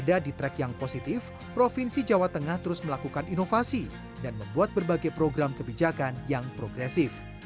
ada di track yang positif provinsi jawa tengah terus melakukan inovasi dan membuat berbagai program kebijakan yang progresif